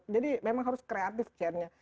jadi memang harus kreatif chair nya